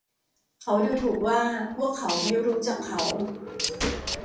เขาดูถูกว่าพวกเขาไม่รู้จักเขา